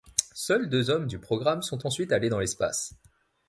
Seuls deux hommes du programme sont ensuite allé dans l'espace.